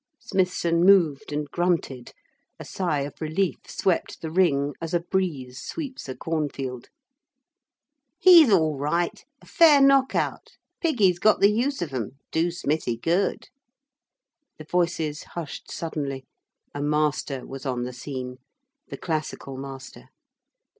Smithson moved and grunted. A sigh of relief swept the ring as a breeze sweeps a cornfield. 'He's all right. A fair knock out. Piggy's got the use of 'em. Do Smithie good.' The voices hushed suddenly. A master was on the scene the classical master.